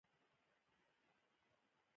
ګلیپتودونانو شاوخوا دوه ټنه وزن درلود.